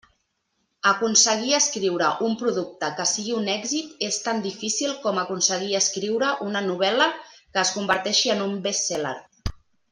Aconseguir escriure un producte que sigui un èxit és tan difícil com aconseguir escriure una novel·la que es converteixi en un best-seller.